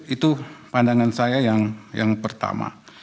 itu pandangan saya yang pertama